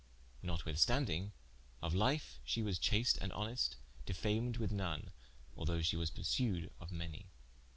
Notwithstanding, of life she was chaste and honest, defamed with none, although she was pursued of many.